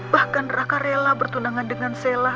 bahkan raka rela bertunangan dengan sela